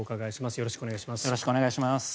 よろしくお願いします。